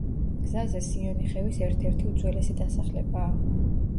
გზაზე სიონი ხევის ერთ-ერთი უძველესი დასახლებაა.